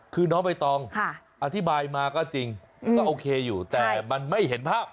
คือน้องใบตองอธิบายมาก็จริงก็โอเคอยู่แต่มันไม่เห็นภาพ